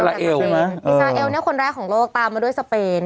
อิสราเอลนี่คนแรกของโลกตามมาด้วยสเปน